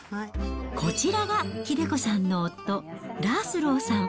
こちらが英子さんの夫、ラースローさん。